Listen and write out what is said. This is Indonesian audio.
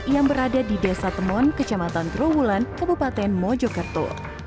yang berada di desa temon kecamatan terowulan kebukaten mojokerto